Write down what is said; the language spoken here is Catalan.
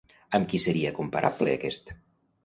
Amb qui seria comparable aquest?